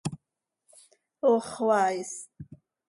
¡Ox xoaa is!